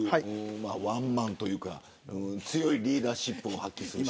ワンマンというか強いリーダーシップを発揮する人。